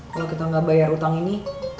kalau kita nggak bayar utang ini